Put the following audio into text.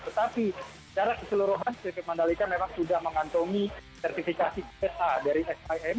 tetapi secara keseluruhan sirkuit mandalika memang sudah mengantongi sertifikasi sa dari sim